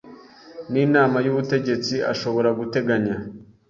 n inama y ubutegetsi ashobora guteganya